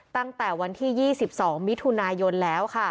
ตั้งแต่วันที่๒๒มิถุนายนแล้ว